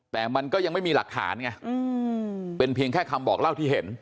แต่มันก็ยังไม่มีหลักฐานไงเป็นเพียงแค่คำบอกเล่าที่เห็น